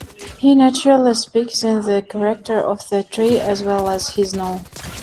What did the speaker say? He naturally speaks in the character of the tree as well as his own.